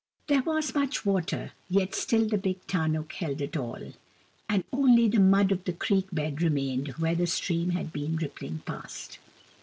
There was much water, yet still the big tarnuk held it all, and only the mud of the creek bed remained where tlie stream had been rippling past.